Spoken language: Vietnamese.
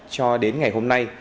cho đến ngày hôm nay